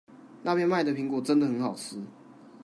那邊賣的蘋果真的好吃